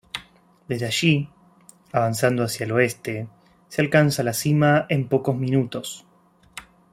Desde allí, avanzando hacia el oeste, se alcanza la cima en pocos minutos.